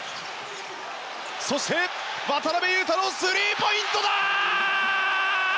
そして渡邊雄太のスリーポイントだ！